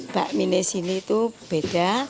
bakmi nasi ini tuh beda